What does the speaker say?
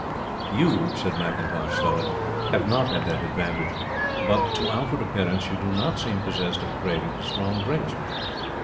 "You," said McIntosh, slowly, "have not had that advantage; but, to outward appearance, you do not seem possessed of a craving for strong drinks.